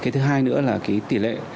thứ hai nữa là tỷ lệ